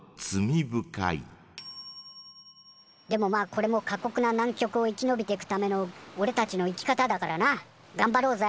でもまあこれも過こくな南極を生き延びてくためのおれたちの生き方だからながんばろうぜ！